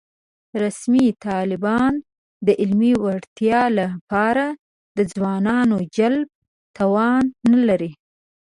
رسمي طالبان د علمي وړتیا له پاره د ځوانانو د جلب توان نه لري